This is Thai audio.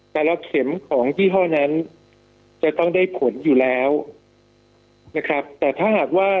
แต่ละเข็มของยี่ห้อนั้นจะต้องได้ผลอยู่แล้วนะครับแต่ถ้าหากว่า